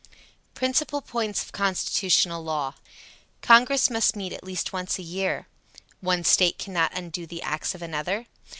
PRINCIPAL POINTS OF CONSTITUTIONAL LAW. Congress must meet at least once a year. One State cannot undo the acts of another.